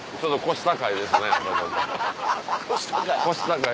腰高い？